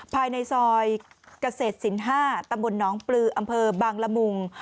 ภายในซอยเกษตรศิลป๕ตำบลน้องปลืออำเภอบางละมุง